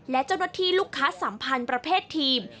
และเจ้าหน้าที่ลูกค้าสัมพันธ์ประเภททีม